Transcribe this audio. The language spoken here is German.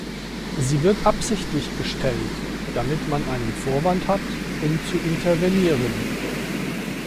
Sie wird absichtlich gestellt, damit man einen Vorwand hat, um zu intervenieren.